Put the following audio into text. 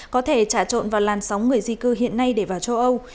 có thể trả trộn vào làn sóng người di cư hiện nay để vào châu âu